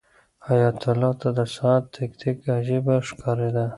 حیات الله ته د ساعت تیک تیک عجیبه ښکارېده.